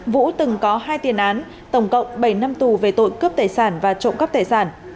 vũ từng có hai tiền án tổng cộng bảy năm tù về tội cướp tài sản và trộm cắp tài sản